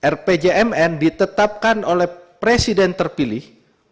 rpjmn ditetapkan oleh presiden terpilih